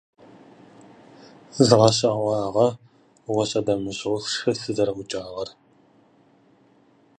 Я был, конечно, удивлен, так неожиданно встретив своего брата.